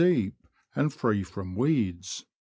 deep, and free from weeds.